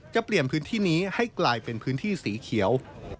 จะเปลี่ยนพื้นที่นี้ให้กลายเป็นพื้นที่สีเขียว